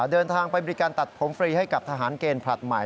เดินทางไปบริการตัดผมฟรีให้กับทหารเกณฑ์ผลัดใหม่